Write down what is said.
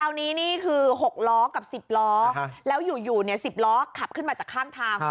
นี่คือ๖ล้อกับ๑๐ล้อแล้วอยู่๑๐ล้อขับขึ้นมาจากข้างทาง